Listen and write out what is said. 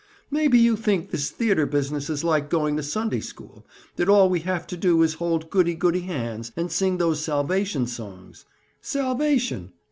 "Maybe you think this theater business is like going to Sunday school—that all we have to do is to hold goody goody hands and sing those salvation songs! Salvation!